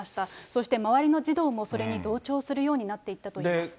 そして周りの児童もそれに同調するようになっていったといいます。